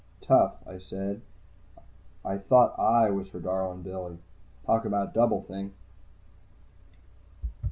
"Tough," I said. I thought I was her darlin' Billy. Talk about Double think!